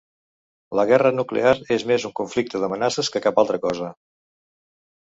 La guerra nuclear és més un conflicte d’amenaces que cap altra cosa.